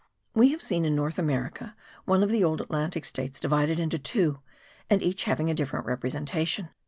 We have seen in North America, one of the old Atlantic states divided into two, and each having a different representation.